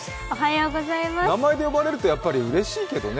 名前で呼ばれるとうれしいけどね。